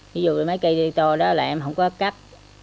ví dụ mấy cây to đó là em không có cắt